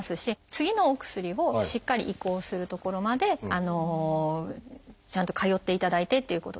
次のお薬をしっかり移行するところまでちゃんと通っていただいてっていうことですね。